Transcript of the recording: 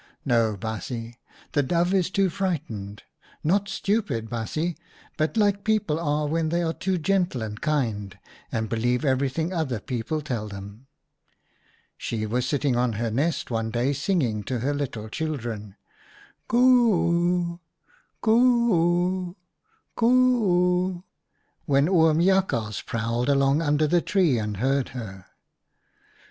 " No, baasje, the Dove is too frightened — not stupid, baasje, but like people are when they are too gentle and kind and believe everything other people tell them. She was sitting on her nest one day singing to her little children, ' Coo 00, coo 00 coo 00,' when i2o OUTA RARELY STORIES Oom Jakhals prowled along under the tree and heard her.